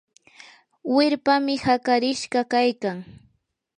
wirpami hakarishqa kaykan.